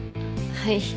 はい。